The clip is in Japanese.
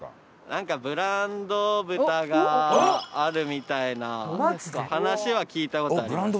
なんかブランド豚があるみたいな話は聞いた事あります。